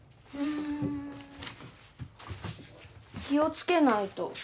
気を付けないと。